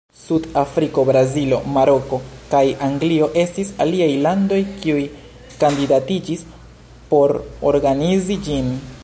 Sud-Afriko, Brazilo, Maroko, kaj Anglio estis aliaj landoj kiuj kandidatiĝis por organizi ĝin.